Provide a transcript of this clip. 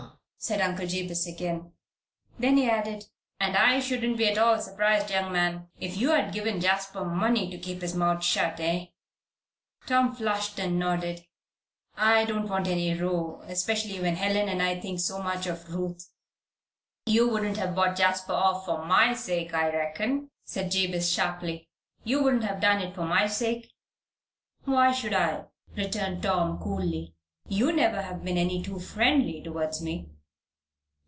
said Uncle Jabez, again. Then he added: "And I shouldn't be at all surprised, young man, if you'd given Jasper money to keep his mouth shut eh?" Tom flushed and nodded "I didn't want any row especially when Helen and I think so much of Ruth." "You wouldn't have bought Jasper off for my sake, I reckon," said Jabez, sharply. "You wouldn't have done it for my sake?" "Why should I?" returned Tom, coolly. "You never have been any too friendly towards me."